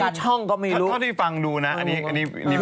แทรกมาจากทั้งเท่าที่ฟังดูอันนี้เป็นอะไร